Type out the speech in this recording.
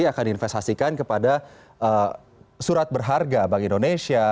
akan diinvestasikan kepada surat berharga bank indonesia